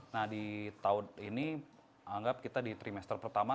nah di tahun ini anggap kita di trimester pertama